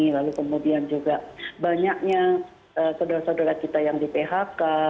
lalu kemudian juga banyaknya saudara saudara kita yang di phk